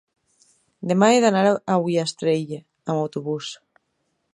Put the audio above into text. demà he d'anar a Ullastrell amb autobús.